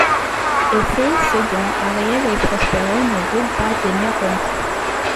Et c'est ce dont Ariel et Prospero ne veulent pas tenir compte.